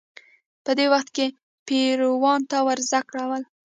په دې وخت کې پیروانو ته ورزده کول